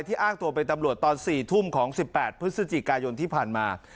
อ้างตัวเป็นตำรวจตอน๔ทุ่มของ๑๘พฤศจิกายนที่ผ่านมา